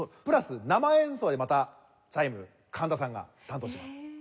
プラス生演奏でまたチャイム神田さんが担当します。